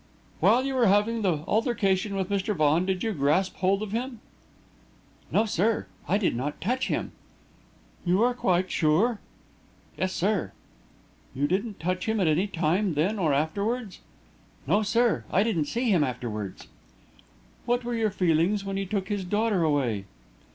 "While you were having the altercation with Mr. Vaughan, did you grasp hold of him?" "No, sir; I did not touch him." "You are quite sure?" "Yes, sir." "You didn't touch him at any time, then or afterwards?" "No, sir. I didn't see him afterwards." "What were your feelings when he took his daughter away?"